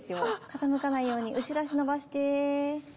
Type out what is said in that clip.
傾かないように後ろ足伸ばして。